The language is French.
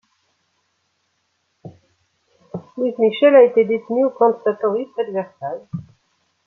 Louise Michel a été détenue au camp de Satory près de Versailles.